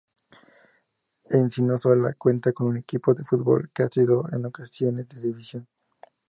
Encinasola cuenta con un equipo de fútbol que ha subido en ocasiones de división.